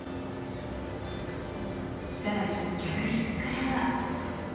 さらに客室からは。